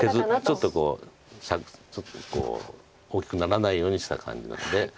ちょっと大きくならないようにした感じの手で。